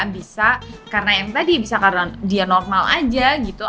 bisa karena yang tadi bisa karena dia normal aja gitu